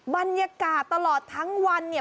บรรยากาศตลอดทั้งวันเนี่ย